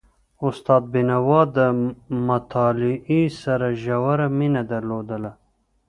استاد بينوا د مطالعې سره ژوره مینه درلودله.